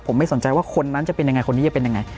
ผมไม่สนใจว่าคนนั้นจะเป็นยังไงคนนี้จะเป็นยังไง